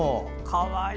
かわいい！